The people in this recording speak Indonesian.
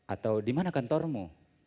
atau dimana kantormu